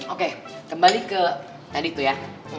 oke kembali ke tadi tuh ya